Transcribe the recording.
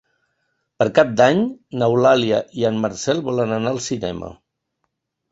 Per Cap d'Any n'Eulàlia i en Marcel volen anar al cinema.